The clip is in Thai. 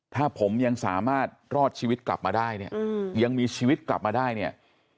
ถ้าผมยังสามารถรอดชีวิตกลับมาได้เนี่ยยังมีชีวิตกลับมาได้เนี่ย